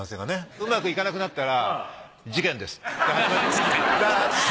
うまくいかなくなったら事件ですって。